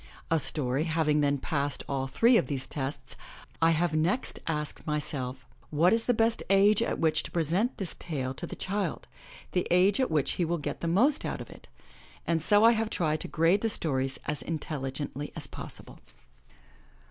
A story having then passed all three of these tests I have next asked myself, "What is the best age at which to present this tale to the child, the age at which he will get the most out of it?" And 211 MY BOOK HOUSE SO I have tried to grade the stories as intelligently as possible.